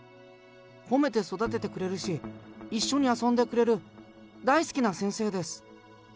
褒めて育ててくれるし、一緒に遊んでくれる大好きな先生です。